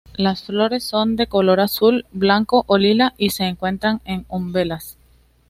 Las flores son de color azul, blanco o lila y se encuentran en umbelas.